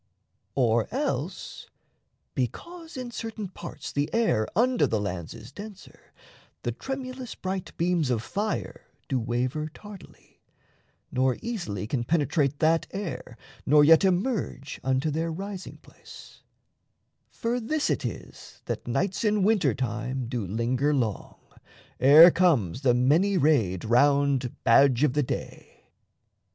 Or else, because in certain parts the air Under the lands is denser, the tremulous Bright beams of fire do waver tardily, Nor easily can penetrate that air Nor yet emerge unto their rising place: For this it is that nights in winter time Do linger long, ere comes the many rayed Round Badge of the day.